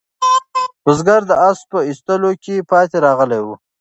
بزګر د آس په ایستلو کې پاتې راغلی و.